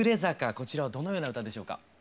こちらはどのような歌でしょうか？